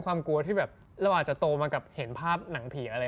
ก็คือเราสองคนเป็นอย่างนั้นใช่ไหม